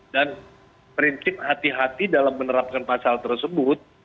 dan prinsip hati hati dalam menerapkan pasal tersebut